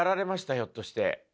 ひょっとして。